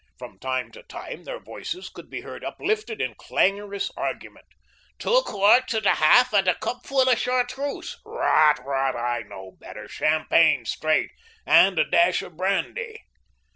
From time to time their voices could be heard uplifted in clamorous argument. "Two quarts and a half and a cupful of chartreuse." "Rot, rot, I know better. Champagne straight and a dash of brandy."